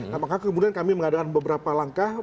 nah maka kemudian kami mengadakan beberapa langkah